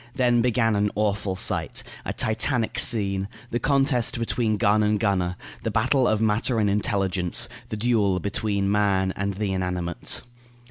Then began an awful sight; a Titanic scene; the contest between gun and gunner; the battle of matter and intelligence; the duel between man and the inanimate.